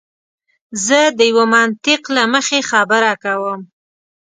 زه د یوه منطق له مخې خبره کوم.